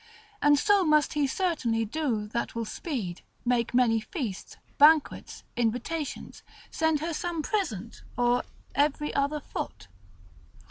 And so must he certainly do that will speed, make many feasts, banquets, invitations, send her some present or other every foot.